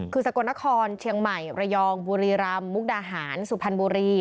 คือสกลนครเชียงใหม่ระยองบุรีรำมุกดาหารสุพรรณบุรี